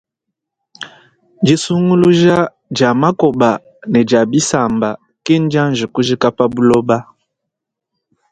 Disunguluja dia makoba ne dia bisamba kindianji kujika pa buloba.